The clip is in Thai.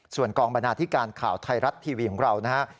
ส่วนกองบรรณาธิการข่าวไทยรัฐทีวีของเรานะฮะ